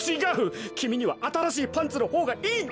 きみにはあたらしいパンツのほうがいいんだ。